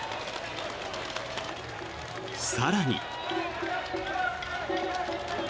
更に。